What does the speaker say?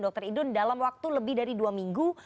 dr idun dalam waktu lebih dari dua minggu